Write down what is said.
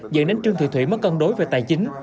dẫn đến trương thị thủy mất cân đối về tài chính